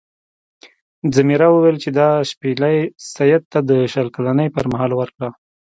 ځمیرا وویل چې دا شپیلۍ سید ته د شل کلنۍ پر مهال ورکړه.